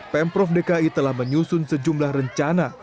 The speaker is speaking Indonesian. pemprov dki telah menyusun sejumlah rencana